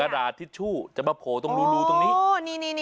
ดาดทิชชู่จะมาโผล่ตรงรูตรงนี้